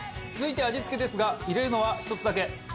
続いて味付けですが入れるのは１つだけ。